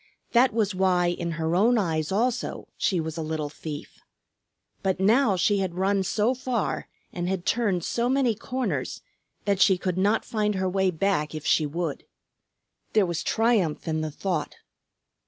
That was why in her own eyes also she was a little thief. But now she had run so far and had turned so many corners that she could not find her way back if she would. There was triumph in the thought.